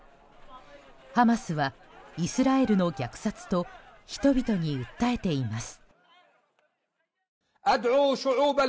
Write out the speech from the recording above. ハマスはイスラエルの虐殺と人々に訴えています。